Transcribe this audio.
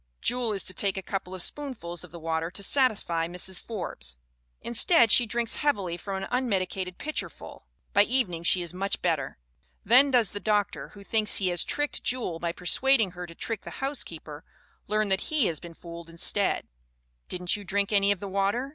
Jewel is to take a couple of spoonfuls of the "water" to satisfy Mrs. Forbes. Instead she drinks heavily from an un medicated pitcherful. By evening she is much better. Then does the doctor, who thinks he has tricked Jewel by persuading her to trick the housekeeper, learn that he has been fooled instead. "'Didn't you drink any of the water?'